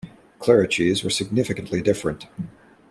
Cleruchies were significantly different.